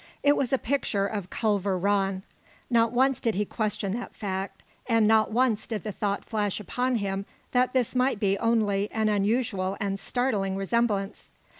It was the picture of Culver Rann not once did he question that fact, and not once did the thought flash upon him that this might be only an unusual and startling resemblance.